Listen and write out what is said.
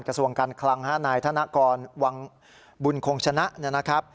กระสวนการคลังห้านายธนกรวังบุญคงชนะ